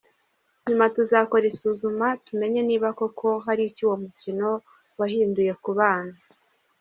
Nyuma tuzakora isuzuma tumenye niba koko hari icyo uyu mukino wahinduye ku bana.